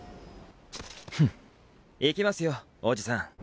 フン行きますよおじさん。